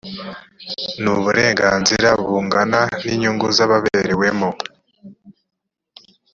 n uburenganzira bungana n inyungu z ababerewemo